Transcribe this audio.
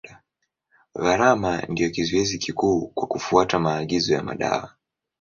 Gharama ndio kizuizi kikuu kwa kufuata maagizo ya madawa.